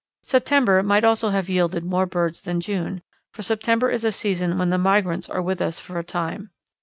September might also have yielded more birds than June, for September is a season when the migrants are with us for a time.